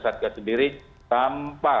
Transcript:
satka sendiri tanpa